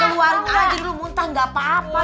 keluar aja dulu muntah gak apa apa